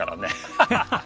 ハハハハ。